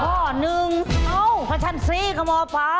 ข้อ๑พระชันศรีคมภาค